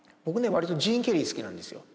割とジーン・ケリー好きなんですよ